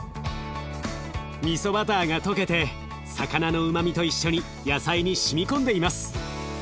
みそバターが溶けて魚のうまみと一緒に野菜にしみ込んでいます。